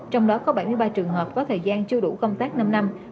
trong đó có bảy mươi ba trường hợp có thời gian chưa đủ công tác năm năm